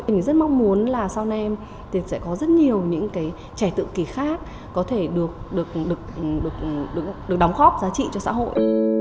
mình rất mong muốn là sau em thì sẽ có rất nhiều những trẻ tự kỳ khác có thể được đóng góp giá trị cho xã hội